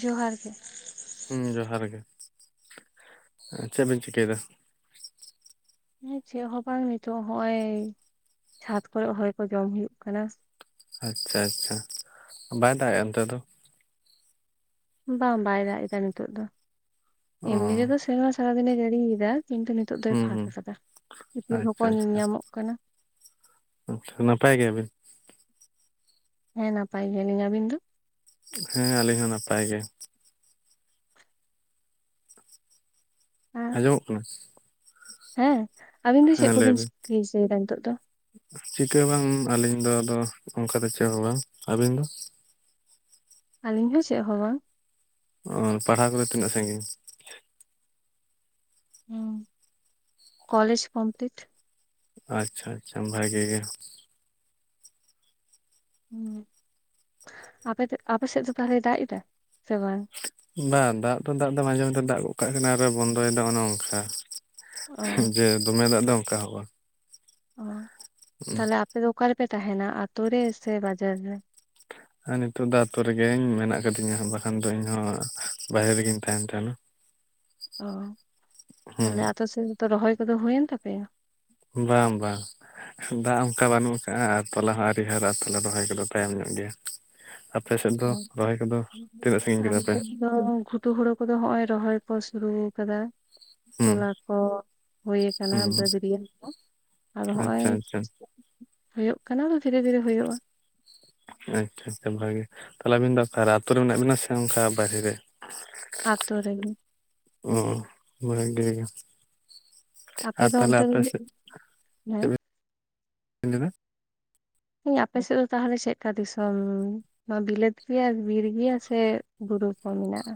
ᱡᱚᱦᱟᱨ ᱜᱮ, ᱦᱮᱸ ᱡᱚᱦᱟᱨ ᱜᱮ ᱪᱮᱫ ᱵᱤᱱ ᱪᱤᱠᱟᱹᱭᱫᱟ ᱪᱮᱫ ᱦᱚᱸ ᱵᱟᱝ ᱱᱤᱛᱚᱜ ᱦᱚᱸᱜ-ᱚᱭ ᱪᱷᱟᱸᱫᱽ ᱠᱚᱨᱮ ᱦᱚᱭ ᱠᱚ ᱡᱚᱢ ᱦᱩᱭᱩᱜ ᱠᱟᱱᱟ ᱟᱪᱪᱷᱟ ᱟᱪᱪᱷᱟ ᱵᱟᱭ ᱫᱟᱜ-ᱟ ᱚᱱᱛᱮ ᱫᱚᱼᱼ ᱵᱟᱝ ᱵᱟᱭ ᱫᱟᱜ ᱮᱫᱟ ᱱᱤᱛᱚᱜ ᱫᱚ ᱚ ᱮᱢᱱᱤ ᱨᱮᱫᱚ ᱥᱮᱨᱢᱟ ᱥᱟᱨᱟ ᱫᱤᱱᱮ ᱡᱟᱹᱲᱤᱭ ᱮᱫᱟ ᱤᱧ ᱫᱚ ᱱᱤᱛᱚᱜ ᱫᱚᱭ ᱦᱩᱸ ᱯᱷᱟᱠ ᱦᱩᱸ ᱟᱠᱟᱫᱟ ᱤᱯᱤᱞ ᱦᱚᱸᱠᱚ ᱟᱪᱪᱷᱟ ᱧᱮᱞ ᱟᱪᱪᱷᱟ ᱧᱟᱢᱚᱜ ᱠᱟᱱᱟ ᱟᱪᱪᱷᱟ ᱱᱟᱯᱟᱭ ᱜᱮᱭᱟ ᱵᱤᱱ ᱦᱮᱸ ᱱᱟᱯᱟᱭ ᱜᱮᱭᱟ ᱞᱤᱧ ᱟᱹᱵᱤᱱ ᱫᱚᱼᱼ ᱦᱮᱸ ᱟᱹᱞᱤᱧ ᱦᱚᱸ ᱱᱟᱯᱟᱭ ᱜᱮᱼᱼ ᱟᱨ ᱟᱸᱡᱚᱢᱚᱜ ᱠᱟᱱᱟ ᱦᱮᱸ ᱟᱵᱤᱱ ᱫᱚ ᱪᱮᱫ ᱦᱮᱸ ᱞᱟᱹᱭ ᱠᱚᱵᱤᱱ ᱵᱤᱱ ᱦᱤᱥᱟᱹᱭ ᱮᱫᱟ ᱱᱤᱛᱚᱜ ᱫᱚᱼᱼ ᱪᱤᱠᱟᱹ ᱦᱚᱸ ᱵᱟᱝ ᱟᱹᱞᱤᱧ ᱫᱚ ᱟᱫᱚ ᱚᱱᱠᱟ ᱫᱚ ᱪᱮᱫ ᱦᱚᱸ ᱵᱟᱝ ᱟᱹᱵᱤᱱ ᱫᱚ ᱟᱹᱞᱤᱧ ᱦᱚᱸ ᱪᱮᱫ ᱦᱚᱸ ᱵᱟᱝ ᱚ ᱯᱟᱲᱦᱟᱣ ᱠᱚᱫᱚ ᱛᱤᱱᱟᱹᱜ ᱥᱟᱺᱜᱤᱧᱼᱼ ᱚ ᱠᱚᱞᱮᱡᱽ ᱠᱚᱢᱯᱞᱤᱴᱼᱼ ᱟᱪᱪᱷᱟ ᱟᱪᱪᱷᱟ ᱵᱷᱟᱹᱜᱤ ᱜᱮ [unintelligible] ᱥᱮᱫ ᱫᱚ ᱛᱟᱦᱞᱮ ᱫᱟᱜ ᱮᱫᱟ ᱥᱮ ᱵᱟᱝ ᱵᱟ ᱫᱟᱜ ᱛᱚ ᱫᱟᱜ ᱫᱚ ᱢᱟᱡᱷᱮ ᱢᱚᱫᱽᱷᱮ ᱫᱟᱜ ᱜᱚᱫ ᱠᱟᱜ ᱠᱟᱱᱟ ᱟᱨ ᱵᱚᱱᱫᱚ ᱮᱫᱟ ᱚᱱᱮ ᱚᱝᱠᱟ ᱚ ᱡᱮ ᱫᱚᱢᱮ ᱫᱟᱜ ᱫᱚ ᱚᱱᱠᱟ ᱦᱚᱸᱼᱟ ᱚ ᱛᱟᱦᱚᱞᱮ ᱟᱯᱮ ᱫᱚ ᱚᱠᱟ ᱨᱮᱯᱮ ᱛᱟᱦᱮᱱᱟ ᱟᱛᱳ ᱨᱮ ᱥᱮ ᱵᱟᱡᱟᱨ ᱨᱮᱼᱼ ᱟᱨ ᱱᱤᱛᱚᱜ ᱫᱚ ᱟᱛᱳ ᱨᱮᱜᱮ ᱢᱮᱱᱟᱜ ᱟᱠᱟᱫᱤᱧᱟ ᱵᱟᱠᱷᱟᱱ ᱫᱚ ᱤᱧᱦᱚᱸ ᱵᱟᱦᱨᱮ ᱨᱮᱜᱮᱧ ᱛᱟᱦᱮᱱ ᱛᱟᱦᱮᱱᱟ [inaudible] ᱚ ᱦᱩᱸ ᱛᱟᱦᱚᱞᱮ ᱟᱹᱛᱩ ᱥᱮᱱ ᱫᱚ ᱛᱚ ᱨᱚᱦᱚᱭ ᱠᱚᱫᱚ ᱦᱩᱭᱮᱱ ᱛᱟᱯᱮᱭᱟ ᱵᱟᱝ ᱵᱟᱝ ᱫᱟᱜ ᱚᱱᱠᱟ ᱵᱟᱹᱱᱩᱜ ᱠᱟᱜᱼᱟ ᱟᱨ ᱛᱚᱞᱟ ᱦᱚᱸ ᱟᱣᱨᱤ ᱦᱟᱨᱟᱜᱼᱟ ᱛᱮ ᱨᱚᱦᱚᱭ ᱠᱚᱫᱚ ᱛᱟᱭᱚᱢ ᱧᱚᱜ ᱜᱮᱭᱟ ᱟᱯᱮ ᱥᱮᱫ ᱚ ᱫᱚ ᱨᱚᱦᱚᱭ ᱠᱚᱫᱚ ᱛᱤᱱᱟᱹᱜ ᱥᱟᱺᱜᱤᱧ ᱠᱮᱫᱟ ᱟᱞᱮ ᱯᱮ ᱥᱮᱫ ᱫᱚ ᱜᱷᱩᱴᱩ ᱦᱩᱲᱩ ᱠᱚᱫᱚ ᱦᱚᱸᱜ ᱚᱭ ᱨᱚᱦᱚᱭ ᱠᱚ ᱥᱩᱨᱩ ᱟᱠᱟᱫᱟ ᱦᱩᱸ ᱛᱚᱞᱟ ᱠᱚ ᱦᱩᱭ ᱟᱠᱟᱱᱟ ᱦᱩᱸ ᱵᱟᱹᱫᱽ ᱨᱮᱱ ᱫᱚ ᱟᱫᱚ ᱟᱪᱪᱷᱟ ᱦᱚᱸᱜᱼᱚᱭ ᱟᱪᱪᱷᱟ ᱦᱩᱭᱩᱜ ᱠᱟᱱᱟ ᱫᱷᱤᱨᱮ ᱫᱷᱤᱨᱮ ᱦᱩᱭᱩᱜᱼᱟ ᱟᱪᱪᱷᱟ ᱟᱪᱪᱷᱟ ᱵᱷᱟᱜᱮᱼᱼ ᱛᱟᱦᱞᱮ ᱟᱹᱵᱤᱱ ᱫᱚ ᱚᱠᱟ ᱨᱮ ᱟᱹᱛᱩ ᱨᱮ ᱢᱮᱱᱟᱜ ᱵᱤᱱᱟ ᱥᱮ ᱚᱱᱠᱟ ᱵᱟᱦᱨᱮ ᱨᱮ ᱟᱹᱛᱩ ᱨᱮ ᱜᱮᱼᱼ [unintelligible] ᱟᱯᱮ ᱟᱨ ᱫᱚ ᱛᱟᱦᱚᱞᱮ ᱚᱱᱛᱮ ᱫᱚ ᱟᱯᱮ ᱥᱮᱫ [unintelligible] ᱤ ᱟᱯᱮ ᱥᱮᱫ ᱫᱚ ᱛᱟᱦᱚᱞᱮ ᱪᱮᱫ ᱞᱮᱠᱟ ᱫᱤᱥᱚᱢᱼᱼ ᱱᱚᱣᱟ ᱵᱤᱞᱟᱹᱛ ᱜᱮᱭᱟ ᱵᱤᱨ ᱜᱮᱭᱟ ᱥᱮ ᱵᱩᱨᱩ ᱠᱚ ᱢᱮᱱᱟᱜᱼᱟ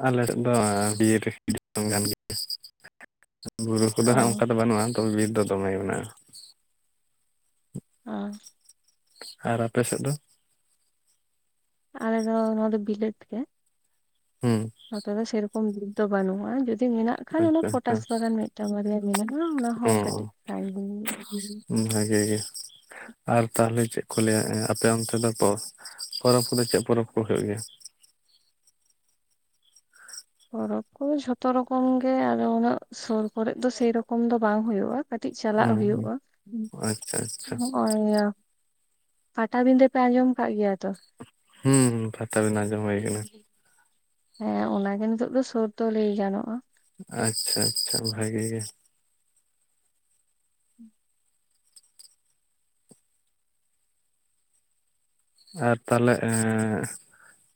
ᱟᱞᱮ ᱥᱮᱫ ᱫᱚ [unintelligible] ᱵᱩᱨᱩ ᱠᱚᱫᱚ ᱦᱟᱸᱜ ᱚ ᱚᱱᱠᱟ ᱫᱚ ᱵᱟᱹᱱᱩᱜᱼᱟ ᱛᱚᱵᱮ ᱵᱤᱨ ᱫᱚ ᱫᱚᱢᱮ ᱢᱮᱱᱟᱜᱼᱟ ᱟᱨ, ᱟᱨ ᱟᱯᱮ ᱥᱮᱫ ᱫᱚ? ᱟᱞᱮ ᱫᱚ ᱱᱚᱣᱟ ᱫᱚ ᱵᱤᱞᱟᱹᱛ ᱜᱮ ᱾ ᱦᱮᱸ, ᱱᱚᱛᱮ ᱫᱚ ᱥᱮᱨᱚᱠᱚᱢ ᱫᱤᱠ ᱫᱚ ᱵᱟᱹᱱᱩᱜᱼᱟ, ᱡᱩᱫᱤ ᱢᱮᱱᱟᱜ ᱠᱷᱟᱱ ᱚᱱᱟ ᱟᱪᱪᱷᱟ ᱟᱪᱪᱷᱟ ᱯᱚᱴᱟᱥ ᱵᱟᱜᱟᱱ ᱢᱤᱫᱴᱟᱝ ᱢᱟᱨᱭᱟ ᱢᱮᱱᱟᱜᱼᱟ, ᱚᱱᱟ ᱚ ᱦᱚᱸ ᱠᱟᱹᱴᱤᱡ ᱢᱟᱨᱟᱝ ᱵᱷᱟᱜᱮ ᱜᱮ, ᱟᱨ ᱛᱟᱦᱞᱮ ᱪᱮᱫ ᱠᱚ ᱞᱟᱹᱭᱟ ᱟᱯᱮ ᱚᱱᱛᱮ ᱫᱚ ᱯᱚᱨᱚᱵᱽ ᱠᱚᱫᱚ ᱪᱮᱫ ᱯᱚᱨᱚᱵᱽ ᱠᱚ ᱦᱩᱭᱩᱜ ᱜᱮᱭᱟ? ᱯᱚᱨᱚᱵᱽ ᱠᱚ ᱡᱷᱚᱛᱚ ᱨᱚᱠᱚᱢ ᱜᱮ᱾ ᱩᱱᱟᱹᱜ ᱥᱩᱨ ᱠᱚᱨᱮ ᱫᱚ ᱥᱮᱨᱚᱠᱚᱢ ᱫᱚ ᱵᱟᱝ ᱦᱳᱭᱳᱜᱼᱟ᱾ ᱠᱟᱹᱴᱤᱡ ᱪᱟᱞᱟᱜ ᱦᱩᱭᱩᱜᱼᱟ, ᱚ ᱟᱪᱪᱷᱟ ᱟᱪᱪᱷᱟ ᱱᱚᱜᱼᱚᱭ ᱯᱟᱴᱟᱵᱤᱸᱫᱟᱹ ᱯᱮ ᱟᱸᱡᱚᱢᱟᱠᱟᱜ ᱜᱮᱭᱟ? ᱛᱚ ᱦᱮᱸ, ᱯᱟᱛᱟ ᱵᱤᱰᱟᱹ ᱟᱸᱡᱚᱢ ᱦᱩᱭ ᱠᱟᱱᱟ᱾ ᱦᱮᱸ ᱚᱱᱟᱜᱮ ᱱᱤᱛᱚᱜ ᱫᱚ ᱥᱩᱨ ᱫᱚ ᱞᱟᱹᱭ ᱜᱟᱱᱚᱜᱼᱟ ᱾ ᱟᱪᱪᱷᱟ ᱟᱪᱪᱷᱟ ᱵᱷᱟᱜᱤ ᱜᱮ᱾ ᱟᱨ ᱛᱟᱦᱚᱞᱮ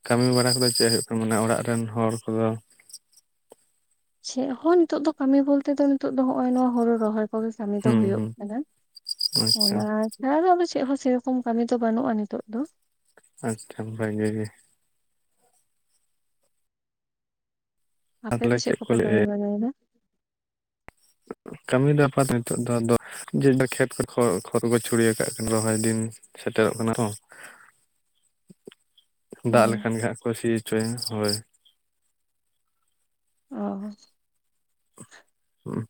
ᱠᱟᱹᱢᱤ ᱵᱟᱲᱟ ᱠᱚᱫᱚ ᱪᱮᱫ ᱦᱩᱭᱩᱜ ᱠᱟᱱᱟ? ᱚᱲᱟᱜ ᱨᱮᱱ ᱦᱚᱲ ᱠᱚᱫᱚ ᱪᱮᱫ ᱦᱚᱸ ᱱᱤᱛᱚᱜ ᱫᱚ ᱠᱟᱹᱢᱤ ᱵᱚᱞᱛᱮ ᱫᱚ ᱱᱤᱛ ᱫᱚ ᱱᱚᱜᱼᱚᱭ ᱱᱚᱣᱟ ᱦᱩᱲᱩ ᱨᱚᱦᱚᱭ᱾ ᱚ ᱠᱚᱜᱮ ᱠᱟᱹᱢᱤ ᱫᱚ ᱦᱩᱸ ᱦᱩᱭᱩᱜ ᱦᱩᱸ ᱠᱟᱱᱟ, ᱟᱪᱪᱷᱟ ᱚᱱᱟ [unintelligible] ᱫᱚ ᱟᱫᱚ ᱪᱮᱫ ᱦᱚᱸ ᱥᱮᱨᱚᱠᱚᱢ ᱠᱟᱹᱢᱤ ᱫᱚ ᱵᱟᱹᱱᱩᱜᱼᱟ ᱱᱤᱛᱚᱜ ᱫᱚ ᱾ ᱟᱪᱪᱷᱟ ᱵᱷᱟᱜᱮ ᱜᱮ ᱾ ᱟᱯᱮ ᱛᱟᱦᱚᱞᱮ ᱫᱚ ᱪᱮᱫ ᱠᱚ ᱠᱚᱯᱮ ᱠᱟᱹᱢᱤ ᱞᱟᱹᱭ ᱵᱟᱲᱟᱭ ᱫᱟ? ᱠᱟᱹᱢᱤ ᱫᱚ ᱟᱯᱟᱛᱚᱛᱚ ᱱᱤᱛᱚᱜ ᱫᱚ ᱠᱷᱮᱛ ᱠᱚ ᱠᱷ ᱠᱷᱚᱛ ᱠᱚ ᱪᱷᱩᱲᱤᱭᱟ ᱟᱠᱟᱫ ᱨᱚᱦᱚᱭ ᱫᱤᱱ, ᱥᱮᱴᱮᱨᱚᱜ ᱠᱟᱱᱟ ᱛᱚ, ᱫᱟᱜ ᱦᱮᱸ ᱞᱮᱠᱷᱟᱱ ᱜᱮ ᱦᱟᱸᱜ ᱠᱚ ᱥᱤ ᱦᱚᱪᱚᱭᱟ, ᱦᱳᱭ ᱾ ᱚᱻ ᱦᱮᱸ,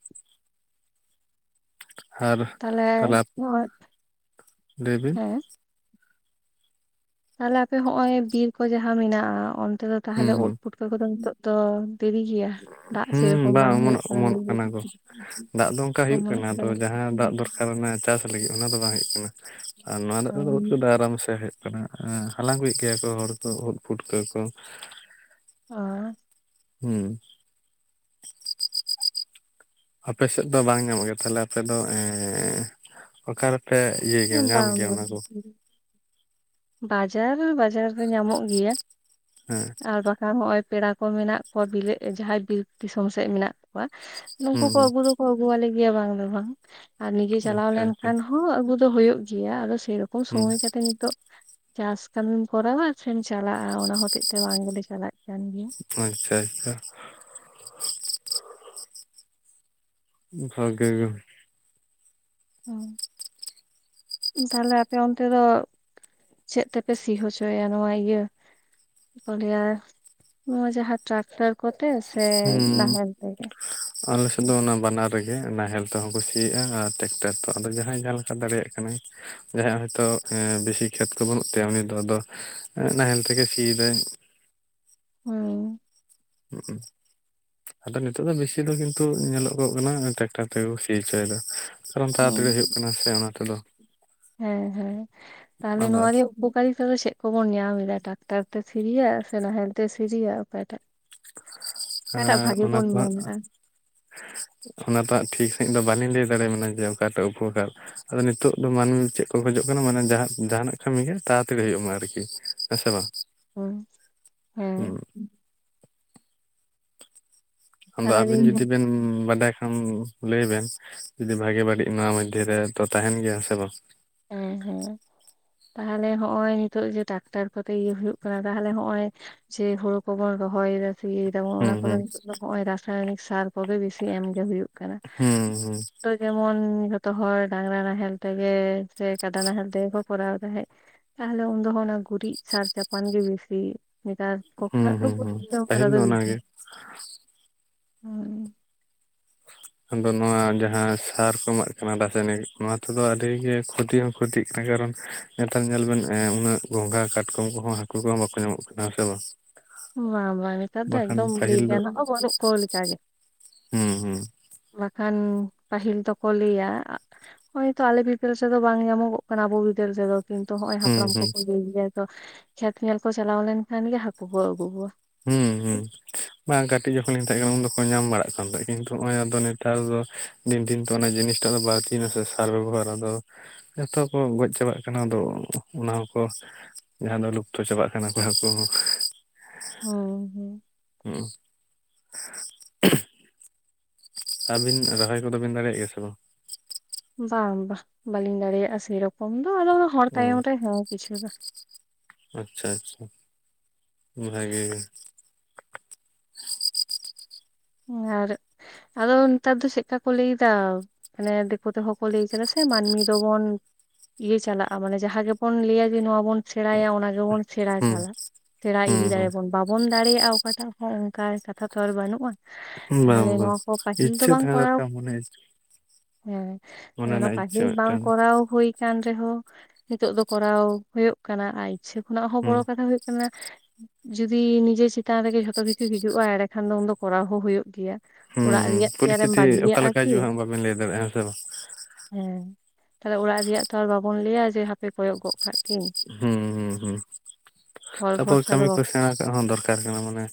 ᱟᱨ ᱛᱟᱦᱚᱞᱮ ᱛᱟᱞᱦᱮ ᱱᱚᱜᱼᱚᱭ ᱞᱟᱹᱭ ᱵᱤᱱ ᱦᱮᱸ ᱛᱟᱦᱚᱞᱮ ᱟᱯᱮ ᱦᱚᱸᱜ ᱚᱭ ᱵᱤᱨ ᱠᱚ ᱡᱟᱦᱟᱸ ᱢᱮᱱᱟᱜᱼᱟ, ᱚᱱᱛᱮ ᱫᱚ ᱛᱟᱦᱚᱞᱮ ᱦᱩᱸ ᱩᱫ, ᱯᱩᱴᱠᱟᱹ ᱠᱚᱫᱚ ᱱᱤᱛᱚᱜ ᱫᱚ ᱫᱮᱨᱤ ᱜᱮᱭᱟ ᱫᱟᱜ ᱦᱩᱸ ᱥᱮᱨᱚᱠᱚᱢ ᱵᱟᱝ ᱦᱩᱭᱩᱜ ᱚᱢᱚᱱᱚᱜ ᱞᱟᱹᱭ ᱚᱢᱚᱱᱚᱜ ᱠᱟᱱᱟ ᱫᱟᱹᱧ ᱠᱚ, ᱫᱟᱜ ᱫᱚ ᱚᱱᱠᱟ ᱦᱩᱭᱩᱜ ᱠᱟᱱᱟ᱾ ᱛᱚ ᱡᱟᱦᱟᱸ ᱫᱟᱜ ᱫᱚᱨᱠᱟᱨ ᱚᱱᱟ ᱪᱟᱥ ᱞᱟᱹᱜᱤᱫ ᱚᱱᱟ ᱫᱚ ᱵᱟᱝ ᱦᱩᱭᱩᱜ ᱠᱟᱱᱟ ᱟᱨ ᱱᱚᱣᱟ ᱫᱟᱜ ᱛᱮ ᱫᱚ [unintelligible] ᱾ ᱫᱟ ᱟᱨᱟᱢ ᱥᱮ ᱦᱮᱡ ᱠᱟᱱᱟ, ᱦᱟᱞᱟᱝ ᱟᱜᱩᱭᱮᱜ ᱜᱮᱭᱟ ᱠᱚ ᱦᱚᱲ ᱠᱚ ᱩᱫ, ᱯᱷᱩᱴᱠᱟᱹ ᱠᱚ ᱾ ᱟᱨ, ᱦᱩᱸ, ᱟᱯᱮᱥᱮᱜ ᱫᱚ ᱵᱟᱝ ᱧᱟᱢᱚᱜ ᱜᱮᱭᱟ ᱛᱟᱦᱚᱞᱮ᱾ ᱟᱯᱮᱫᱚ ᱮ ᱚᱠᱟ ᱨᱮᱯᱮ? ᱤᱭᱟᱹ ᱜᱮᱭᱟ ᱧᱟᱢ ᱵᱟᱝ ᱜᱮᱭᱟ ᱚᱱᱟ ᱵᱟᱝ ᱠᱚ ᱾ ᱵᱟᱡᱟᱨ, ᱵᱟᱡᱟᱨ ᱨᱮ ᱧᱟᱢᱚᱜ ᱜᱮᱭᱟ ᱾ ᱦᱮᱸ, ᱟᱨ ᱵᱟᱠᱷᱟᱱ ᱦᱚᱸᱜᱼᱚᱭ ᱯᱮᱲᱟ ᱠᱚ ᱢᱮᱱᱟᱜ ᱠᱚᱣᱟ ᱵᱤᱞᱮᱜ ᱡᱟᱦᱟᱸᱭ ᱵᱤᱨ ᱫᱤᱥᱚᱢ ᱥᱮᱜ ᱢᱮᱱᱟᱜ ᱠᱚᱣᱟ, ᱩᱝᱠᱩ ᱦᱩᱸ ᱠᱚ ᱟᱹᱜᱩ ᱫᱚᱠᱚ ᱟᱹᱜᱩᱣᱟᱞᱮ ᱜᱮᱭᱟ ᱵᱟᱝ ᱫᱚ ᱵᱟᱝ ᱾ ᱟᱨ ᱱᱤᱡᱮ ᱦᱩᱸ ᱪᱟᱞᱟᱣ ᱟᱪᱪᱷᱟ ᱟᱪᱪᱷᱟ ᱞᱮᱱᱠᱷᱟᱱ ᱦᱚᱸ ᱟᱹᱜᱩ ᱫᱚ ᱦᱳᱭᱳᱜ ᱜᱮᱭᱟ᱾ ᱟᱫᱚ ᱥᱮᱨᱚᱠᱚᱢ ᱦᱩᱸ ᱥᱚᱢᱚᱭ ᱠᱟᱛᱮᱜ ᱱᱤᱛᱚᱜ ᱪᱟᱥ ᱠᱟᱹᱢᱤᱢ ᱠᱚᱨᱟᱣᱟ ᱥᱮᱢ ᱪᱟᱞᱟᱜᱼᱟ, ᱚᱱᱟ ᱦᱚᱛᱮᱜ ᱛᱮ ᱵᱟᱝ ᱜᱮᱞᱮ ᱪᱟᱞᱟᱜ ᱠᱟᱱ ᱜᱮᱭᱟ ᱾ ᱟᱪᱪᱷᱟ ᱟᱪᱪᱷᱟ, ᱵᱷᱟᱜᱮ ᱜᱮ᱾ [inaudible] ᱛᱟᱦᱞᱮ ᱟᱯᱮ ᱚᱱᱛᱮ ᱫᱚ ᱪᱮᱫ ᱛᱮᱯᱮ ᱥᱤ ᱦᱚᱪᱚᱭᱟ? ᱱᱚᱣᱟ ᱤᱭᱟᱹ ᱛᱟᱦᱚᱞᱮ ᱱᱚᱣᱟ ᱡᱟᱦᱟᱸ ᱴᱨᱟᱠᱴᱟᱨ ᱠᱚᱛᱮ ᱥᱮ ᱦᱩᱸ ᱱᱟᱦᱮᱞ ᱛᱮᱜᱮ ᱟᱞᱮ ᱥᱮᱫ ᱫᱚ ᱚᱱᱟ ᱵᱟᱱᱟᱨ ᱨᱮᱜᱮ ᱱᱟᱦᱮᱞ ᱛᱮᱦᱚᱸ ᱠᱩ ᱥᱤᱭᱟᱜᱼᱟ ᱟᱨ ᱴᱮᱠᱴᱟᱨ ᱛᱮᱦᱚᱸ ᱟᱫᱚ ᱡᱟᱦᱟᱸᱭ ᱡᱟᱦᱟᱸ ᱞᱮᱠᱟ ᱫᱟᱲᱮᱭᱟᱜ ᱠᱟᱱᱟᱭ ᱾ ᱡᱟᱦᱟᱸᱭᱟᱜ ᱦᱳᱭᱛᱳ ᱵᱮᱥᱤ ᱠᱷᱮᱛ ᱠᱚ ᱵᱟᱹᱱᱩᱜ ᱛᱟᱭᱟ ᱩᱱᱤ ᱫᱚ ᱟᱫᱚ ᱱᱟᱦᱮᱞ ᱛᱮᱜᱮ ᱥᱤᱭᱮᱫᱟᱹᱭ ᱾ ᱦᱩᱸ [unintelligible] ᱟᱫᱚ ᱱᱤᱛᱚᱜ ᱫᱚ ᱵᱮᱥᱤ ᱫᱚ ᱠᱤᱱᱛᱩ ᱧᱮᱞᱚᱜᱚᱜ ᱠᱟᱱᱟ ᱴᱨᱟᱠᱴᱟᱨ ᱛᱮᱜᱮ ᱠᱚ ᱥᱤ ᱦᱚᱪᱚᱭ ᱮᱫᱟ ᱾ ᱦᱮᱸ ᱦᱮᱸ ᱛᱟᱦᱚᱞᱮ ᱟᱫᱚ ᱱᱚᱣᱟ ᱩᱯᱚᱠᱟᱨᱤᱛᱟ ᱫᱚ ᱪᱮᱜ ᱠᱚᱵᱚᱱ ᱧᱟᱢ ᱮᱫᱟ ᱴᱟᱠᱴᱟᱨ ᱛᱮ ᱥᱤᱨᱤᱭᱟᱜ ᱥᱮ ᱱᱟᱦᱮᱞ ᱛᱮ ᱥᱤᱨᱤᱭᱟᱜ ᱚᱠᱚᱴᱟᱜ? ᱚᱠᱟᱴᱟᱜ ᱵᱷᱟᱜᱮ ᱵᱚᱱ ᱢᱮᱱᱮᱫᱟ ᱚᱱᱟᱴᱟᱜ ᱴᱷᱤᱠ ᱥᱟᱺᱦᱤᱡ ᱫᱚ ᱵᱟᱹᱞᱤᱧ ᱞᱟᱹᱭ ᱫᱟᱲᱮᱭᱟ ᱵᱮᱱᱟ ᱡᱮ ᱚᱠᱟᱴᱟᱜ ᱩᱯᱚᱠᱟᱨ ᱟᱫᱚ ᱱᱤᱛᱚᱜ ᱫᱚ ᱢᱟᱹᱱᱢᱤ ᱪᱮᱜ ᱠᱚ ᱠᱷᱚᱡᱚᱜ ᱠᱟᱱᱟ ᱢᱟᱱᱮ ᱡᱟᱦᱟ ᱡᱟᱦᱟᱱᱟᱜ ᱠᱟᱹᱢᱤ ᱜᱮ ᱛᱟᱲᱟᱛᱟᱲᱤ ᱦᱩᱭᱩᱜ ᱢᱟ ᱟᱨᱠᱤ ᱾ ᱦᱮᱸᱥᱮ ᱵᱟᱝ, ᱦᱩᱸ ᱦᱮᱸ ᱟᱫᱚ ᱛᱟᱦᱞᱮ ᱟᱵᱤᱱ ᱫᱤᱧ ᱡᱩᱫᱤ ᱵᱮᱱ ᱵᱟᱰᱟᱭ ᱠᱷᱟᱱ ᱞᱟᱹᱭ ᱵᱮᱱ ᱡᱩᱫᱤ ᱵᱷᱟᱜᱮ ᱵᱟᱹᱲᱤᱡ ᱱᱚᱣᱟ ᱢᱚᱫᱽᱫᱷᱮ ᱨᱮ ᱛᱚ ᱛᱟᱦᱮᱱ ᱜᱮᱭᱟ ᱥᱮ ᱵᱟᱝ? [unintelligible] ᱛᱟᱦᱚᱞᱮ ᱦᱚᱜᱼᱚᱭ ᱱᱤᱛᱚᱜ ᱡᱮ ᱴᱟᱠᱴᱟᱨ ᱠᱚᱛᱮ ᱤᱭᱟᱹ ᱦᱩᱭᱩᱜ ᱠᱟᱱᱟ ᱛᱟᱦᱚᱞᱮ ᱦᱚᱜᱼᱚᱭ ᱡᱮ ᱦᱳᱲᱳ ᱠᱚᱵᱚᱱ ᱨᱚᱦᱚᱭ ᱫᱟ, ᱥᱤᱭᱮᱫᱟ ᱵᱚᱱ ᱦᱩᱸ ᱚᱱᱟ ᱠᱚᱫᱚ ᱦᱩᱸ ᱱᱤᱛᱚᱜ ᱫᱚ ᱦᱚᱜᱼᱚᱭ ᱨᱟᱥᱟᱭᱚᱱᱤᱠ ᱥᱟᱨ ᱠᱚᱜᱮ ᱵᱤᱥᱤ ᱮᱢ ᱜᱮ ᱦᱩᱭᱩᱜ ᱠᱟᱱᱟ ᱦᱩᱸ ᱦᱩᱸ ᱾ ᱛᱚ ᱡᱮᱢᱚᱱ ᱡᱷᱚᱛᱚ ᱦᱚᱲ ᱰᱟᱝᱨᱟ ᱱᱟᱦᱮᱞ ᱛᱮᱜᱮ ᱥᱮ ᱠᱟᱰᱟ ᱱᱟᱦᱮᱞ ᱛᱮᱜᱮ ᱠᱚ ᱠᱚᱨᱟᱣ ᱛᱟᱦᱮᱸᱜ, ᱛᱟᱦᱚᱞᱮ ᱩᱱ ᱫᱚ ᱦᱚᱸᱱᱟ ᱜᱩᱨᱤᱡ ᱥᱟᱨ ᱪᱟᱯᱟᱱ ᱜᱮ ᱵᱤᱥᱤ, ᱱᱮᱛᱟᱨ ᱠᱚ ᱦᱩᱸ ᱠᱷᱚᱱᱟᱜ ᱫᱚ ᱦᱩᱸ ᱦᱩᱸ ᱜᱩᱨᱤᱡ ᱫᱚ ᱩᱯᱠᱟᱨᱟ ᱯᱟᱹᱦᱤᱞ ᱫᱚ ᱵᱤᱥᱤ ᱚᱱᱟᱜᱮ [inaudible] ᱦᱩᱸ ᱟᱫᱚ ᱱᱚᱣᱟ ᱡᱟᱦᱟᱸ ᱥᱟᱨ ᱠᱚ ᱮᱢᱟᱜ ᱠᱟᱱᱟ ᱨᱟᱥᱟᱭᱱᱤᱠ ᱱᱚᱣᱟ ᱛᱮᱫᱚ ᱟᱹᱰᱤᱜᱮ ᱠᱷᱚᱛᱤ ᱦᱚᱸ [unintelligible] ᱠᱟᱨᱚᱱ ᱱᱮᱛᱟᱨ ᱧᱮᱞ ᱵᱮᱱ ᱮᱸ ᱩᱱᱟᱹᱜ ᱜᱚᱸᱜᱷᱟ ᱠᱟᱴᱠᱚᱢ ᱠᱚᱦᱚᱸ ᱦᱟᱹᱠᱩ ᱠᱚᱦᱚᱸ ᱵᱟᱠᱚ ᱧᱟᱢᱚᱜ ᱠᱟᱱᱟ ᱥᱮ ᱵᱟᱝ ᱾ ᱵᱟᱝ ᱵᱟᱝ ᱱᱮᱛᱟᱨ ᱫᱚ ᱮᱠᱫᱚᱢ ᱞᱟᱹᱭ ᱫᱚ ᱜᱟᱱᱚᱜᱼᱟ ᱵᱟᱹᱱᱩᱜ ᱠᱚ ᱞᱮᱠᱟ ᱜᱮ ᱾ ᱦᱩᱸ ᱦᱩᱸ ᱾ ᱵᱟᱠᱷᱟᱱ ᱯᱟᱹᱦᱤᱞ ᱫᱚᱠᱚ ᱞᱮᱭᱟ ᱦᱳᱭ ᱛᱚ ᱟᱞᱮ ᱵᱤᱫᱟᱹᱞ ᱥᱮ ᱫᱚ ᱵᱟᱝ ᱧᱟᱢᱚᱜᱚᱜ ᱠᱟᱱᱟ ᱟᱵᱚ ᱵᱤᱫᱟᱹᱞ ᱛᱮ ᱫᱚ ᱾ ᱠᱤᱱᱛᱩ ᱦᱚᱜ ᱚᱭ ᱦᱩᱸ ᱦᱟᱯᱲᱟᱢ ᱦᱩᱸ ᱠᱚᱠᱚ ᱞᱮᱭ ᱜᱮᱭᱟ ᱛᱚ ᱠᱷᱮᱛ ᱧᱮᱞ ᱠᱚ ᱪᱟᱞᱟᱣ ᱞᱮᱱᱠᱷᱟᱱ ᱜᱮ ᱦᱟᱠᱩ ᱠᱚ ᱟᱹᱜᱩ ᱠᱚᱣᱟ ᱾ ᱦᱩᱸ ᱦᱩᱸ ᱵᱟᱝ ᱠᱟᱹᱴᱤᱡ ᱡᱚᱠᱷᱚᱱ ᱞᱤᱧ ᱛᱟᱦᱮᱸ ᱠᱟᱱᱟ ᱩᱱ ᱫᱚᱠᱚ ᱧᱟᱢ ᱵᱟᱲᱟᱜ ᱠᱟᱱ ᱛᱟᱦᱮᱸᱜ, ᱠᱤᱱᱛᱩ ᱦᱚᱜᱼᱚᱭ ᱟᱫᱚ ᱱᱮᱛᱟᱨ ᱫᱚ ᱫᱤᱱ ᱫᱤᱱ ᱛᱮ ᱚᱱᱟ ᱡᱤᱱᱤᱥᱴᱟᱜ ᱫᱚ ᱵᱟᱲᱛᱤᱭ ᱱᱟᱥᱮ ᱥᱟᱨ ᱵᱮᱵᱚᱦᱟᱨ, ᱟᱫᱚ ᱡᱚᱛᱚ ᱠᱚ ᱜᱚᱡ ᱪᱟᱵᱟᱜ ᱠᱟᱱᱟ ᱟᱫᱚ ᱚᱱᱟ ᱦᱚᱸᱠᱚ ᱡᱟᱦᱟᱸ ᱫᱚ ᱞᱩᱯᱛᱚ ᱪᱟᱵᱟᱜ ᱠᱟᱱᱟ ᱠᱚ ᱦᱟᱠᱩ ᱦᱚᱸ ᱦᱩᱸᱦᱩᱸ ᱦᱩᱸ ᱟᱹᱵᱤᱱ ᱨᱚᱦᱚᱭ ᱠᱚᱫᱚ ᱵᱤᱱ ᱫᱟᱲᱮᱭᱟᱜ ᱜᱮᱭᱟ ᱥᱮ ᱵᱟᱝ? ᱵᱟᱝ ᱵᱟᱝ ᱵᱟᱹᱞᱤᱧ ᱫᱟᱲᱮᱭᱟᱜᱼᱟ ᱥᱮᱤᱨᱚᱠᱚᱢ ᱫᱚ ᱟᱫᱚ ᱦᱚᱲ ᱚ ᱛᱟᱭᱚᱢ ᱨᱮ ᱦᱚᱸ ᱠᱤᱪᱷᱩ ᱫᱚ ᱟᱪᱪᱷᱟ ᱟᱪᱪᱷᱟ ᱵᱷᱟᱜᱮ ᱜᱮ ᱟᱨ ᱟᱫᱚ ᱱᱮᱛᱟᱨ ᱫᱚ ᱪᱮᱫᱠᱟ ᱠᱚ ᱞᱟᱹᱭ ᱫᱟ ᱢᱟᱱᱮ ᱫᱤᱠᱩ ᱛᱮᱦᱚᱸ ᱠᱚ ᱞᱟᱹᱭ ᱠᱟᱫᱟ ᱥᱮ ᱢᱟᱹᱱᱢᱤ ᱫᱚᱢᱚᱱ ᱤᱭᱟᱹ ᱪᱟᱞᱟᱜᱼᱟ ᱢᱟᱱᱮ ᱡᱟᱦᱟᱸ ᱜᱮᱵᱚᱱ ᱞᱟᱹᱭᱟ ᱡᱮ ᱱᱚᱣᱟ ᱵᱚᱱ ᱥᱮᱬᱟᱭᱟ ᱚᱱᱟ ᱜᱮᱵᱚᱱ ᱥᱮᱬᱟ ᱦᱩᱸ ᱪᱟᱞᱟᱜ ᱥᱮᱬᱟ ᱤᱫᱤ ᱦᱩᱸ ᱫᱟᱲᱮᱭᱟ ᱵᱚᱱ ᱵᱟᱵᱚᱱ ᱫᱟᱲᱮᱭᱟᱜᱼᱟ ᱚᱠᱟᱴᱟᱜ ᱦᱚᱸ ᱚᱱᱠᱟ ᱠᱟᱛᱷᱟ ᱛᱚᱨ ᱵᱟᱹᱱᱩᱜᱼᱟ ᱾ ᱦᱩᱸ ᱵᱟᱝ ᱛᱟᱦᱚᱞᱮ ᱵᱟᱝ ᱱᱚᱣᱟ ᱠᱚ ᱯᱟᱹᱦᱤᱞ ᱫᱚ ᱤᱪᱪᱷᱟᱹ ᱵᱟᱝ ᱛᱟᱦᱮᱸ ᱠᱚᱨᱟᱣ ᱫᱚᱨᱠᱟᱨ ᱢᱚᱱᱮ ᱦᱮᱸ ᱢᱚᱱᱮ ᱚᱱᱟ ᱨᱮᱱᱟᱜ ᱤᱪᱪᱷᱟᱹ ᱯᱟᱦᱤᱞ ᱵᱟᱝ ᱢᱤᱫᱴᱟᱝ ᱠᱚᱟᱣ ᱦᱩᱭᱼᱼ ᱠᱟᱱ ᱨᱮᱦᱚᱸ ᱱᱤᱛᱚᱜ ᱫᱚ ᱠᱚᱨᱟᱣ ᱦᱩᱭᱩᱜ ᱠᱟᱱᱟ ᱤᱪᱪᱷᱟᱹ ᱠᱷᱚᱱᱟᱜ ᱦᱚᱸ ᱦᱩᱸ ᱵᱚᱲᱚ ᱠᱟᱛᱷᱟ ᱦᱩᱭᱩᱜ ᱠᱟᱱᱟᱼᱼ ᱡᱩᱫᱤ ᱱᱤᱡᱮ ᱪᱮᱛᱟᱱ ᱨᱮᱜᱮ ᱡᱷᱚᱛᱚ ᱠᱤᱪᱷᱩ ᱦᱤᱡᱩᱜᱼᱟ ᱮᱸᱰᱮ ᱠᱷᱟᱱ ᱫᱚ ᱩᱱ ᱫᱚ ᱠᱚᱨᱟᱣ ᱦᱚᱸ ᱦᱩᱭᱩᱜ ᱜᱮᱭᱟ᱾ ᱦᱩᱸ ᱚᱲᱟᱜ ᱦᱩᱸ ᱨᱮᱭᱟᱜ ᱠᱤ ᱟᱨᱮᱢ ᱯᱚᱨᱤᱥᱛᱷᱤᱛᱤ ᱵᱟᱜᱤᱭᱟᱜᱼᱟ ᱚᱠᱟᱞᱮᱠᱟ ᱠᱤᱼᱼ ᱦᱤᱡᱩᱜᱼᱟ ᱦᱟᱸᱜ ᱵᱟᱵᱮᱱ ᱞᱟᱹᱭ ᱫᱟᱲᱮᱭᱟᱜᱼᱟ ᱦᱮᱸ ᱥᱮ ᱵᱟᱝ ᱦᱮᱸ ᱛᱟᱦᱚᱞᱮ ᱚᱲᱟᱜ ᱨᱮᱭᱟᱜ ᱛᱚ ᱵᱟᱵᱚᱱ ᱞᱟᱹᱭᱟ ᱡᱮ ᱦᱟᱯᱮ ᱠᱚᱭᱚᱜ ᱜᱚᱜ ᱠᱟᱜ ᱠᱤᱱᱼᱼ ᱦᱩᱸ ᱦᱩᱸ ᱦᱩᱸ ᱦᱚᱲ ᱛᱟᱨᱯᱚᱨ ᱵᱷᱚᱨᱥᱟ ᱠᱟᱹᱢᱤ ᱫᱚ ᱠᱚ ᱥᱮᱬᱟ ᱠᱟᱜ ᱦᱚᱸ ᱫᱚᱨᱠᱟᱨᱼᱼ ᱟᱨ ᱠᱟᱱᱟ ᱢᱟᱱᱮ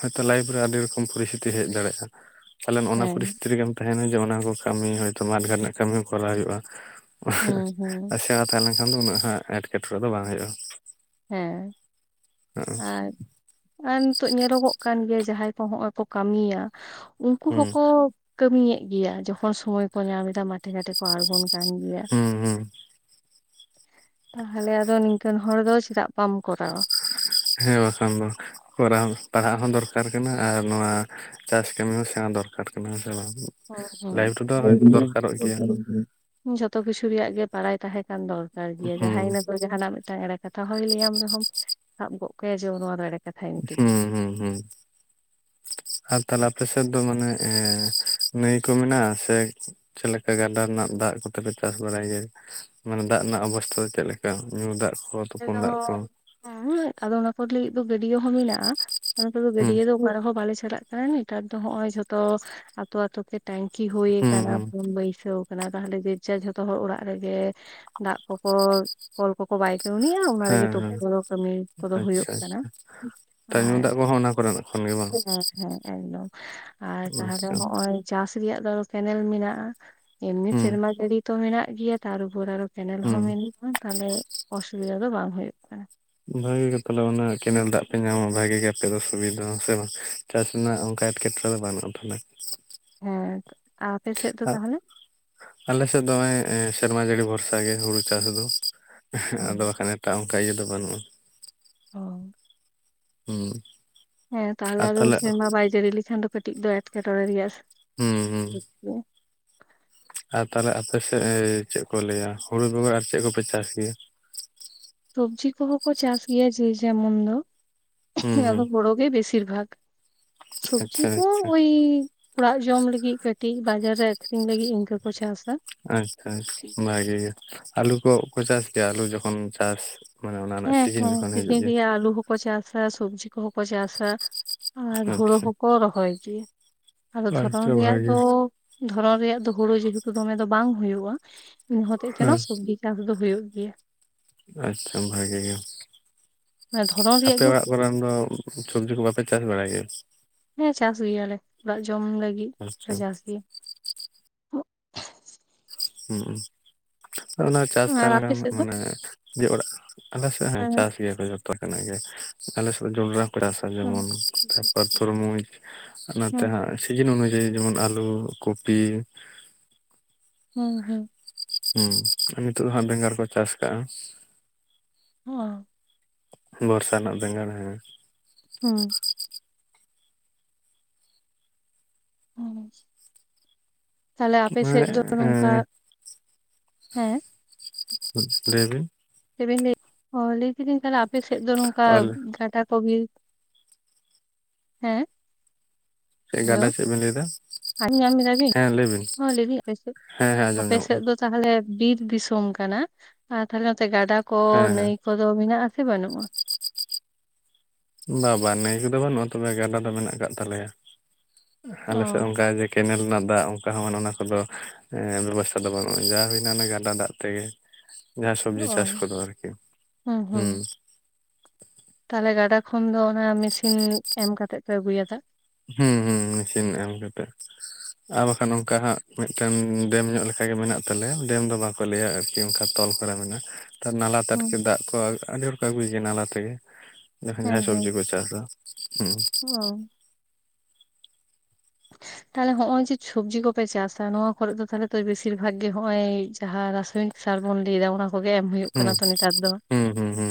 ᱦᱚᱭᱛᱚ ᱞᱟᱭᱤᱯ ᱨᱮ ᱟᱹᱰᱤ ᱨᱚᱠᱚᱢ ᱯᱚᱨᱤᱥᱛᱷᱤᱛᱤ ᱦᱮᱡ ᱫᱟᱲᱮᱭᱟᱜᱼᱟ ᱾ ᱯᱟᱞᱮᱱ ᱚᱱᱟ ᱦᱮᱸ ᱯᱚᱨᱤᱥᱛᱷᱤ ᱨᱮᱜᱮᱢ ᱛᱟᱦᱮᱱᱟ ᱡᱮ ᱚᱱᱟ ᱠᱚ ᱠᱟᱹᱢᱤ ᱦᱚᱭᱛᱚ ᱢᱟᱴᱜᱷᱟᱨ ᱨᱮᱱᱟᱜ ᱠᱟᱹᱢᱤ ᱦᱚᱸ ᱠᱚᱨᱟᱣ ᱦᱩᱭᱩᱜᱼᱟ᱾ ᱦᱩᱸ ᱦᱩᱸ ᱟᱪᱪᱷᱟ ᱛᱟᱦᱞᱮ ᱠᱷᱟᱱ ᱫᱚ ᱩᱱᱟᱹᱜ ᱦᱟᱜ ᱮᱸᱴᱠᱮᱴᱚᱬᱮ ᱫᱚ ᱵᱟᱝ ᱦᱩᱭᱩᱜᱼᱟ᱾ ᱦᱮᱸ ᱟᱨᱼᱼ ᱟᱨ ᱱᱤᱛᱚᱜ ᱧᱮᱞᱚᱜᱚᱜ ᱠᱟᱱ ᱜᱮᱭᱟ ᱡᱟᱦᱟᱸᱭ ᱠᱚ ᱦᱚᱸᱼᱚᱭ ᱠᱚ ᱠᱟᱹᱢᱤᱭᱟ ᱩᱱᱠᱩ ᱦᱩᱸ ᱦᱚᱸᱠᱚᱼᱼ ᱠᱟᱹᱢᱤᱭᱮᱫ ᱜᱮᱭᱟ ᱡᱚᱠᱷᱚᱱ ᱥᱚᱢᱚᱭ ᱠᱚ ᱧᱟᱢ ᱮᱫᱟ ᱢᱟᱴᱷᱮ ᱜᱷᱟᱴᱮ ᱠᱚ ᱟᱬᱜᱚᱱ ᱠᱟᱱ ᱜᱮᱭᱟ ᱾ ᱦᱩᱸ ᱦᱩᱸ ᱛᱟᱦᱞᱮ ᱟᱫᱚ ᱱᱤᱝᱠᱟᱹᱱ ᱦᱚᱲ ᱫᱚ ᱪᱮᱫᱟᱜ ᱵᱟᱢ ᱠᱚᱨᱟᱣᱟ᱾ ᱦᱮᱸ ᱵᱟᱠᱷᱟᱱ ᱫᱚ ᱠᱚᱟᱣ ᱯᱟᱲᱦᱟᱜ ᱦᱚᱸ ᱫᱚᱨᱠᱟᱨ ᱠᱟᱱᱟ ᱟᱨ ᱱᱚᱣᱟᱼᱼ ᱪᱟᱥ ᱠᱟᱹᱢᱤ ᱦᱚᱸ ᱥᱮᱬᱟ ᱫᱚᱨᱠᱟᱨ ᱠᱟᱱᱟ ᱦᱮᱸ ᱥᱮ ᱵᱟᱝ? [unintelligible] ᱞᱟᱭᱤᱯᱷ ᱨᱮᱫᱚ ᱫᱚᱨᱠᱟᱨᱚᱜ ᱜᱮᱭᱟ ᱡᱷᱚᱛᱚ ᱠᱤᱪᱷᱩ ᱨᱮᱭᱟᱜ ᱜᱮ ᱵᱟᱲᱟᱭ ᱛᱟᱦᱮᱸ ᱠᱟᱱ ᱫᱚᱨᱠᱟᱨ ᱜᱮᱭᱟ ᱡᱟᱦᱟᱭ ᱦᱩᱸ ᱤᱱᱟᱹ ᱫᱚ ᱡᱟᱦᱟᱱᱟᱜ ᱢᱤᱫᱴᱟᱝ ᱮᱲᱮ ᱠᱟᱛᱷᱟ ᱦᱚᱸᱭ ᱞᱟᱹᱭᱟᱢ ᱨᱮᱦᱚᱢ ᱥᱟᱵ ᱜᱚᱜ ᱠᱟᱭ ᱡᱮ ᱚ ᱮᱲᱮᱼᱼ ᱦᱮᱸ ᱦᱩᱸ ᱦᱩᱸ᱾ ᱟᱨ ᱛᱟᱦᱞᱮ ᱟᱯᱮ ᱥᱮᱫ ᱫᱚ ᱢᱟᱱᱮ ᱱᱟᱹᱭ ᱠᱚ ᱢᱮᱱᱟᱜᱼᱟ ᱥᱮᱼᱼ ᱪᱮᱫ ᱞᱮᱠᱟ ᱜᱟᱰᱟ ᱨᱮᱱᱟᱜ ᱫᱟᱜ ᱠᱚᱛᱮᱯᱮ ᱪᱟᱥ ᱵᱟᱲᱟᱭ ᱜᱮᱭᱟ᱾ ᱢᱟᱱᱮ ᱫᱟᱜ ᱨᱮᱱᱟᱜ ᱚᱵᱚᱥᱛᱟ ᱫᱚ ᱪᱮᱫᱞᱮᱠᱟ ᱧᱩ ᱫᱟᱜ ᱠᱷᱚᱛᱼᱼ ᱟᱞᱮ ᱫᱚ ᱦᱩᱸ ᱟᱫᱚ ᱚᱱᱟ ᱠᱚ ᱞᱟᱹᱭ ᱮᱫ ᱫᱚ ᱜᱟᱹᱰᱭᱟᱹ ᱦᱚᱸ ᱢᱮᱱᱟᱜᱼᱟᱼᱼ ᱱᱮᱛᱟᱨ ᱫᱚ ᱦᱩᱸ ᱜᱟᱹᱰᱭᱟᱹ ᱫᱚ ᱚᱠᱟ ᱨᱮᱦᱚᱸ ᱵᱟᱞᱮ ᱪᱟᱞᱟᱜ ᱠᱟᱱᱟ ᱱᱮᱛᱟᱨ ᱫᱚ ᱱᱚᱜᱼᱚᱭ ᱡᱷᱚᱛᱚ ᱟᱛᱳᱛᱳ ᱛᱮᱼᱼ ᱴᱟᱝᱠᱤ ᱦᱩᱭ ᱦᱩᱸ ᱠᱟᱱᱟ ᱦᱩᱸ ᱯᱩᱱ ᱵᱟᱹᱭᱥᱟᱹᱣ ᱛᱟᱦᱮ ᱡᱮ ᱡᱟᱨ ᱡᱚᱛᱚ ᱦᱚᱲ ᱚᱲᱟᱜ ᱨᱮᱜᱮ ᱫᱟᱜ ᱠᱚᱠᱚ ᱠᱚᱞ ᱠᱚᱠᱚ ᱵᱟᱭᱼᱼ ᱩᱱᱤᱭᱟ ᱚᱱᱟ ᱦᱮᱸ ᱨᱮᱜᱮ ᱛᱚᱯᱳ ᱦᱮᱸ ᱠᱟᱹᱢᱤ ᱠᱚᱫᱚ ᱦᱩᱭᱩᱜ ᱟᱪᱪᱷᱟ ᱠᱟᱱᱟ ᱛᱚ ᱧᱩ ᱟᱨᱼᱼ ᱫᱟᱜ ᱠᱚᱦᱚᱸ ᱚᱱᱟ ᱠᱚᱨᱮᱱᱟᱜ ᱠᱷᱚᱱ ᱜᱮ ᱵᱟᱝ ᱦᱮᱸ ᱦᱮᱸ ᱮᱠᱫᱚᱢ ᱟᱨ ᱛᱟᱦᱮ ᱟᱪᱪᱷᱟ ᱦᱚᱜᱼᱚᱭᱼᱼ ᱪᱟᱥ ᱨᱮᱭᱟᱜ ᱫᱚ ᱠᱮᱱᱮᱞ ᱢᱮᱱᱟᱜᱼᱟ ᱮᱢᱱᱤ ᱦᱩᱸ ᱥᱮᱨᱢᱟ ᱡᱟᱹᱲᱤ ᱛᱚ ᱢᱮᱱᱟᱜ ᱜᱮᱭᱟ ᱛᱟᱨᱩᱯᱚᱨ ᱟᱨᱚᱼᱼ ᱠᱮᱱᱮᱞ ᱦᱩᱸ ᱦᱚᱸ ᱢᱮᱱᱟᱜᱼᱟ ᱛᱟᱦᱚᱞᱮ ᱚᱥᱩᱵᱤᱫᱟ ᱫᱚ ᱵᱟᱝ ᱦᱩᱭᱩᱜ ᱠᱟᱱᱟ᱾ ᱵᱷᱟᱜᱮ ᱜᱮ ᱛᱟᱦᱞᱮ ᱚᱱᱟ ᱠᱮᱱᱮᱞ ᱫᱟᱜᱼᱼ ᱯᱮ ᱧᱟᱢᱟ ᱵᱷᱟᱜᱮ ᱜᱮ ᱟᱯᱮ ᱫᱚ ᱥᱩᱵᱤᱫᱟ ᱦᱮᱸ ᱥᱮ ᱵᱟᱝ ᱪᱟᱥ ᱨᱮᱱᱟᱜ ᱚᱱᱠᱟ ᱮᱴᱠᱮᱴᱚᱬᱮ ᱫᱚ ᱵᱟᱹᱱᱩᱜᱼᱟ ᱛᱚᱞᱮᱼᱼ ᱦᱮᱸ ᱟᱯᱮ ᱥᱮᱫ ᱫᱚ ᱛᱟᱦᱚᱞᱮ? ᱟᱞᱮ ᱥᱮᱫ ᱫᱚ ᱮᱸᱜ ᱼᱮ ᱸ ᱥᱮᱨᱢᱟ ᱡᱟᱹᱲᱤ ᱵᱷᱚᱨᱥᱟ ᱜᱮ ᱦᱩᱲᱩ ᱪᱟᱥ ᱫᱚ᱾ ᱚ ᱟᱫᱚ ᱵᱟᱠᱷᱟᱱ ᱮᱴᱟᱜ ᱚᱱᱠᱟ ᱤᱭᱟᱹ ᱫᱚ ᱵᱟᱹᱱᱩᱜᱼᱟ᱾ ᱝ ᱚᱸ ᱦᱮᱸ ᱛᱟᱦᱚᱞᱮ ᱟᱫᱚ ᱥᱮᱨᱢᱟ ᱵᱟᱭ ᱡᱟᱹᱲᱤ ᱞᱮᱠᱷᱟᱱ ᱫᱚ ᱠᱟᱴᱤᱡ ᱫᱚ ᱮᱴᱠᱮᱴᱚᱬᱮ ᱜᱮᱭᱟᱼᱼ ᱦᱚᱸ ᱟᱪᱪᱷᱟ᱾ ᱟᱨ ᱛᱟᱦᱚᱞᱮ ᱟᱯᱮ ᱥᱮᱫ ᱪᱮᱫ ᱠᱚ ᱞᱟᱹᱭᱟ ᱦᱩᱲᱩ ᱵᱮᱜᱚᱨ ᱟᱨ ᱪᱮᱫ ᱠᱚᱯᱮ ᱪᱟᱥ ᱜᱮᱭᱟ᱾ ᱥᱚᱵᱽᱡᱤ ᱠᱚᱦᱚᱸ ᱠᱚ ᱪᱟᱥ ᱜᱮᱭᱟ ᱡᱮ ᱡᱮᱢᱚᱱ ᱫᱚ ᱦᱩᱸ ᱟᱫᱚ ᱦᱩᱸ ᱦᱳᱲᱳ ᱜᱮ ᱵᱮᱥᱤᱼᱼ ᱵᱮᱥᱤᱨ ᱵᱷᱟᱜᱽ ᱥᱚᱵᱡᱤ ᱟᱪᱪᱷᱟ ᱠᱚ ᱟᱪᱪᱷᱟ ᱳᱭᱼᱼ ᱚᱲᱟᱜ ᱡᱚᱢ ᱞᱟᱹᱜᱤᱫ ᱠᱟᱴᱤᱡ ᱵᱟᱡᱟᱨ ᱨᱮ ᱟᱠᱷᱨᱤᱧ ᱞᱟᱹᱜᱤᱫ ᱤᱱᱠᱟᱹ ᱠᱚ ᱪᱟᱥᱟ᱾ ᱟᱪᱪᱷᱟ ᱟᱪᱪᱷᱟ ᱚᱱᱟᱜᱮ ᱟᱞᱩ ᱠᱚᱠᱚ ᱪᱟᱥ ᱜᱮᱭᱟ ᱟᱞᱩ ᱡᱚᱠᱷᱚᱱ ᱪᱟᱥ ᱢᱟᱱᱮ ᱚᱱᱟ ᱨᱮᱱᱟᱜ ᱥᱤᱡᱤᱱ ᱡᱚᱠᱷᱚᱱ ᱦᱤᱡᱩᱜ ᱜᱮ᱾ ᱠᱚ ᱪᱟᱥᱟ ᱥᱚᱵᱽᱡᱤ ᱠᱚᱦᱚ ᱠᱚ ᱪᱟᱥᱟ᱾ ᱟᱨ ᱦᱳᱲᱳ ᱟᱪᱪᱷᱟ ᱦᱚᱸᱠᱚ ᱨᱚᱦᱚᱭ ᱜᱮᱭᱟ᱾ ᱟᱫᱚ ᱫᱷᱚᱨᱚᱱ ᱟᱪᱪᱷᱟ ᱨᱮᱭᱟᱜ ᱵᱷᱟᱜᱮ ᱫᱚ ᱫᱷᱚᱨᱚᱱ ᱨᱮᱭᱟᱜ ᱫᱚ ᱦᱳᱲᱳ ᱡᱮᱦᱮᱛᱩ ᱫᱚᱢᱮ ᱫᱚ ᱵᱟᱝ ᱦᱩᱭᱩᱜ-ᱟ, ᱤᱱᱟᱹ ᱦᱚᱛᱮᱡ ᱛᱮ ᱱᱚ ᱦᱮᱸ ᱥᱚᱵᱽᱡᱤ ᱪᱟᱥ ᱫᱚ ᱦᱩᱭᱩᱜ ᱜᱮᱭᱟ᱾ ᱟᱪᱪᱷᱟ ᱵᱷᱟᱜᱮ ᱜᱮ᱾ ᱢᱟᱱᱮ ᱫᱷᱚᱨᱚᱱ ᱨᱮᱭᱟᱜ ᱟᱯᱮ ᱜᱮ ᱚᱲᱟᱜ ᱠᱚᱨᱮᱱ ᱫᱚ ᱥᱚᱵᱽᱡᱤ ᱠᱚ ᱵᱟᱯᱮ ᱪᱟᱥ ᱵᱟᱲᱟᱭ ᱜᱮᱭᱟ? ᱦᱮᱸ ᱪᱟᱥ ᱜᱮᱭᱟᱞᱮ ᱚᱲᱟᱜ ᱡᱚᱢ ᱞᱟᱹᱜᱤᱫ᱾ ᱟᱪᱪᱷᱟ ᱞᱮ ᱪᱟᱥ ᱜᱮᱭᱟ ᱦᱚᱸ ᱚᱱᱟ ᱪᱟᱥ ᱛᱟᱦᱮᱸ ᱟᱨ ᱟᱯᱮ ᱞᱮᱱᱠᱷᱟᱱ ᱥᱮᱫ ᱫᱚ ᱢᱟᱱᱮ ᱡᱮ ᱚᱲᱟᱜ ᱟᱞᱮ ᱥᱮᱫ ᱦᱚᱸ ᱦᱮᱸ ᱪᱟᱥ ᱜᱮᱭᱟ ᱠᱚ ᱡᱚᱛᱚ ᱠᱷᱚᱱᱟᱜ ᱜᱮ ᱟᱞᱮᱥᱮᱫ ᱡᱚᱱᱰᱽᱨᱟ ᱪᱟᱥᱟ ᱦᱩᱸ ᱡᱮᱢᱚᱱ [unintelligible] ᱛᱚᱨᱢᱩᱡᱽ ᱟᱨ ᱱᱟᱛᱮ ᱦᱩᱸ ᱦᱟᱸᱜ ᱥᱤᱡᱤᱱ ᱚᱱᱩᱡᱟᱭᱤ ᱡᱮᱢᱚᱱ ᱟᱞᱩ, ᱠᱚᱯᱤ ᱦᱩᱸ ᱦᱩᱸ ᱦᱩᱸ ᱱᱤᱛᱚᱜ ᱫᱚ ᱦᱟᱜ ᱵᱮᱸᱜᱟᱲ ᱠᱚ ᱪᱟᱥ ᱠᱟᱜ-ᱟ᱾ ᱦᱚᱸ ᱵᱚᱨᱥᱟ ᱨᱮᱱᱟᱜ ᱵᱮᱸᱜᱟᱲ᱾ ᱦᱮᱸ ᱦᱩᱸ ᱛᱟᱦᱚᱞᱮ ᱟᱯᱮ ᱥᱮᱫ ᱫᱚ ᱱᱚᱝᱠᱟ ᱦᱮᱸ ᱦᱮᱸ ᱞᱮᱹᱭ ᱵᱤᱱ᱾ ᱪᱮᱵᱤᱱ ᱞᱟᱹᱭ ᱦᱚ ᱞᱟᱹᱭ ᱠᱤᱫᱤᱧ ᱛᱟᱦᱚᱞᱮ ᱟᱯᱮ ᱥᱮᱫ ᱫᱚ ᱱᱚᱝᱠᱟ ᱚᱞ ᱜᱟᱰᱟ ᱠᱚ ᱵᱤᱨ ᱦᱮᱸ ᱪᱮᱫ ᱦᱮᱞᱳ ᱜᱟᱰᱟ ᱪᱮᱫ ᱵᱮᱱ ᱞᱟᱹᱭ ᱮᱫᱟ? ᱟᱸᱡᱚᱢ ᱧᱟᱢ ᱫᱟ ᱵᱤᱱ ᱦᱮᱸ ᱞᱟᱹᱭ ᱵᱤᱱ ᱦᱚᱸ ᱞᱟᱹᱭ ᱫᱤᱧ ᱟᱯᱮᱥᱮᱫ ᱦᱮᱸ ᱦᱮᱸ ᱟᱸᱡᱚᱢ ᱟᱯᱮ ᱧᱟᱢᱚᱜ ᱥᱮᱫ ᱠᱟᱱᱟ ᱫᱚ ᱛᱟᱦᱚᱞᱮ ᱵᱤᱨ ᱫᱤᱥᱚᱢ ᱠᱟᱱᱟ ᱟᱨ ᱛᱟᱦᱚᱞᱮ ᱱᱚᱛᱮ ᱜᱟᱰᱟ ᱠᱚ ᱦᱮᱸ ᱱᱟᱹᱭ ᱠᱚᱫᱚ ᱢᱮᱱᱟᱜ-ᱟ ᱥᱮ ᱵᱟᱱᱩᱜ-ᱟ᱾ ᱵᱟ ᱵᱟ ᱱᱟᱹᱭ ᱠᱚᱫᱚ ᱵᱟᱱᱩᱜ-ᱟ ᱛᱚᱵᱮ ᱜᱟᱰᱟ ᱫᱚ ᱢᱮᱱᱟᱜ ᱠᱟᱜ ᱛᱟᱞᱮᱭᱟ᱾ ᱟᱞᱮ ᱥᱮᱫ ᱚ ᱚᱱᱠᱟ ᱜᱮ ᱠᱮᱱᱮᱞ ᱨᱮᱱᱟᱜ ᱫᱟᱜ ᱚᱝ- ᱠᱟ ᱦᱚᱸ ᱚᱱᱟ ᱠᱚᱫᱚ ᱵᱮᱵᱚᱥᱛᱷᱟ ᱫᱚ ᱵᱟᱱᱩᱜ-ᱟ ᱡᱟ ᱦᱩᱭᱱᱟ ᱚᱱᱮ ᱜᱟᱰᱟ ᱫᱟᱜ ᱛᱮᱜᱮ᱾ ᱡᱟᱦᱟᱸ ᱥᱚᱵᱽᱡᱤ ᱪᱟᱥ ᱚ ᱠᱚᱫᱚ ᱟᱨᱠᱤ, ᱦᱩᱸ ᱛᱟᱦᱚᱞᱮ ᱜᱟᱰᱟ ᱠᱷᱚᱱ ᱫᱚ ᱚᱱᱟ ᱢᱮᱥᱤᱱ ᱮᱢ ᱠᱟᱛᱮᱜ ᱯᱮ ᱟᱜᱩᱭᱟ ᱫᱟᱜ᱾ ᱦᱩᱸ ᱦᱩᱸ ᱢᱮᱥᱤᱱ ᱮᱢ ᱠᱟᱛᱮᱫ᱾ ᱟᱨ ᱵᱟᱠᱷᱟᱱ ᱚᱱᱠᱟ ᱦᱟᱸᱜ ᱢᱤᱫᱴᱟᱝ ᱰᱮᱢ ᱧᱚᱜ ᱞᱮᱠᱟ ᱜᱮ ᱢᱮᱱᱟᱜ ᱛᱟᱞᱮᱭᱟ ᱰᱮᱢ ᱫᱚ ᱵᱟᱝ ᱞᱟᱹᱭᱟ ᱟᱨᱠᱤ ᱚᱱᱠᱟ ᱛᱚᱞ ᱠᱚᱨᱟ ᱢᱮᱱᱟᱜ-ᱟ᱾ ᱛᱮ ᱱᱟᱞᱟ ᱛᱮ ᱟᱨᱠᱤ ᱦᱩᱸ ᱫᱟᱜ ᱠᱚ ᱟᱹᱰᱤ ᱦᱚᱲ ᱠᱚ ᱟᱜᱩᱭ ᱜᱮᱭᱟ ᱱᱟᱞᱟ ᱛᱮᱜᱮ ᱡᱮᱠᱷᱚᱱ ᱡᱟᱦᱟᱸᱭ ᱥᱚᱵᱽᱡᱤ ᱠᱚ ᱪᱟᱥᱟ᱾ ᱦᱩᱸ ᱳ [unintelligible] ᱛᱟᱦᱚᱞᱮ ᱦᱚᱜ-ᱚᱭ ᱡᱮ ᱥᱚᱵᱽᱡᱤ ᱠᱚᱯᱮ ᱪᱟᱥᱟ ᱱᱚᱣᱟ ᱠᱚᱨᱮᱜ ᱫᱚ ᱛᱟᱦᱚᱞᱮ ᱛᱚ ᱵᱮᱥᱤᱨ ᱵᱷᱟᱜ ᱜᱮ ᱱᱚᱜ-ᱚᱭ ᱡᱟᱦᱟᱸ ᱨᱟᱥᱟᱭᱚᱱᱤᱠ ᱥᱟᱨ ᱵᱚᱱ ᱞᱮᱭ ᱫᱟ ᱚᱱᱟ ᱠᱚᱜᱮ ᱮᱢ ᱦᱩᱭᱩᱜ ᱦᱩᱸ ᱠᱟᱱᱟ ᱛᱚ ᱱᱤ- ᱛᱟᱨ ᱫᱚ ᱦᱩᱸ ᱦᱩᱸ ᱦᱩᱸ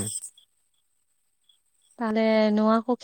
ᱛᱟᱦᱚᱞᱮ ᱱᱚᱣᱟ ᱠᱚ